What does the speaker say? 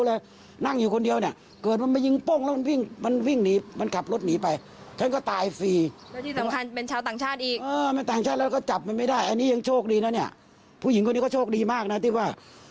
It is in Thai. ผู้หญิงคนนี้ก็โชคดีมากนะติว่า